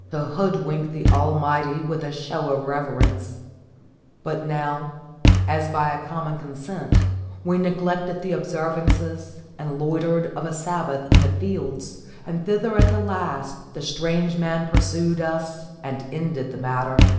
to hoodwink the Almighty with a show of reverence; but now, as by a common consent, we neglected the observances and loitered of a Sabbath in the fields, and thither at the last the strange man pursued us and ended the matter.